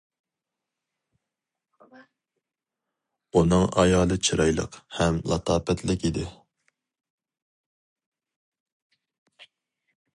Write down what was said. ئۇنىڭ ئايالى چىرايلىق ھەم لاتاپەتلىك ئىدى.